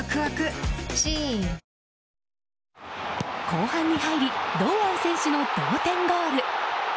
後半に入り堂安選手の同点ゴール。